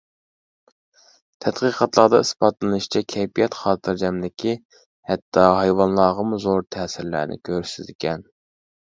تەتقىقاتلاردا ئىسپاتلىنىشىچە، كەيپىيات خاتىرجەملىكى ھەتتا ھايۋانلارغىمۇ زور تەسىرلەرنى كۆرسىتىدىكەن.